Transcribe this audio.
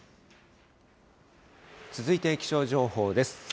続いて気象情報です。